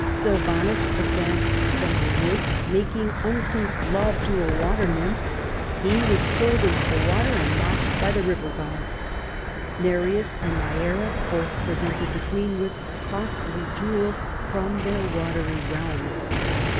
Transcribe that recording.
Sylvanus advanced from the woods, making uncouth love to a water nymph ; he was pulled into the water and mocked by the river gods. Nereus and Neaera both presented the Queen with costly jewels from their watery realm.